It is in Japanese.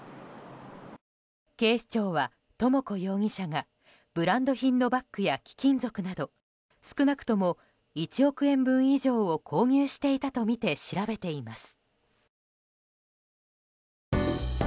警視庁は、智子容疑者がブランド品のバッグや貴金属など少なくとも１億円分以上を購入していたとみて調べています。